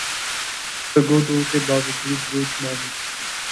تگ و دو کے باوجود ووٹ نہ ملے